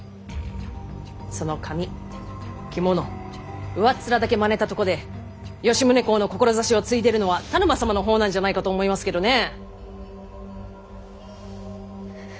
その髪着物上っ面だけまねたとこで吉宗公の志をついでいるのは田沼様のほうなんじゃないかと思いますけどね！